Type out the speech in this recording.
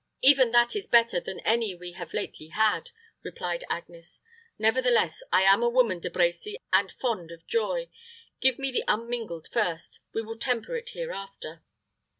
"Even that is better than any we have lately had," replied Agnes. "Nevertheless, I am a woman, De Brecy, and fond of joy. Give me the unmingled first: we will temper it hereafter."